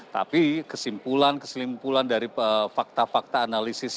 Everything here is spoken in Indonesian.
tapi kesimpulan kesimpulan dari fakta fakta analisis